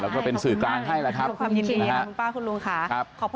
แล้วก็เป็นสื่อกลางให้นะครับขอบคุณค่ะคุณป้าคุณลุงค่ะ